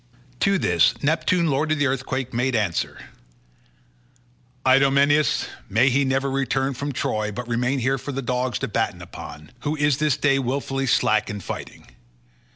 To this Neptune lord of the earthquake made answer, "Idomeneus, may he never return from Troy, but remain here for dogs to batten upon, who is this day wilfully slack in fighting.